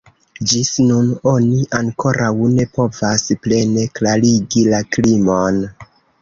Ĝis nun oni ankoraŭ ne povas plene klarigi la krimon.